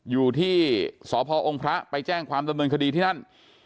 อยู่ที่สพองค์พระไปแจ้งความดำเนินคดีที่นั่น